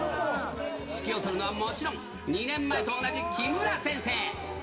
指揮を執るのはもちろん、２年前と同じ、木村先生。